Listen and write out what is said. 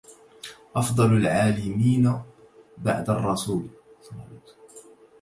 أفضل العالمين بعد الرسول